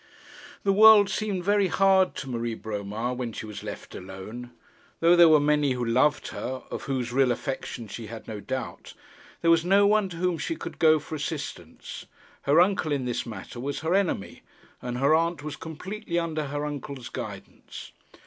The world seemed very hard to Marie Bromar when she was left alone. Though there were many who loved her, of whose real affection she had no doubt, there was no one to whom she could go for assistance. Her uncle in this matter was her enemy, and her aunt was completely under her uncle's guidance.